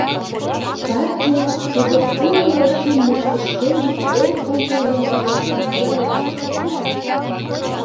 Партий кызыт уло Россий мучко шкенжын эн ончыл еҥже-влакым яллашке колта.